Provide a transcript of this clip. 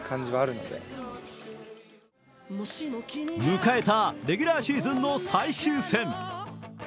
迎えたレギュラーシーズンの最終戦。